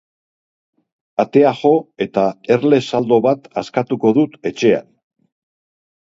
Atea jo eta erle saldo bat askatuko dut etxean.